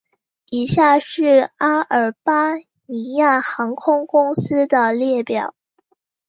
以下是阿尔巴尼亚航空公司的列表